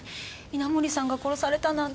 稲盛さんが殺されたなんて。